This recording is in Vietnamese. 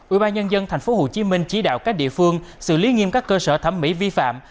ủy ban nhân dân tp hcm chỉ đạo các địa phương xử lý nghiêm các cơ sở thẩm mỹ vi phạm